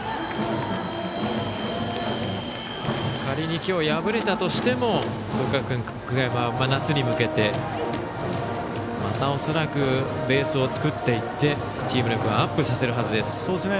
仮にきょう敗れたとしても国学院久我山は夏に向けてまた恐らくベースを作っていってチーム力をアップさせるはずです。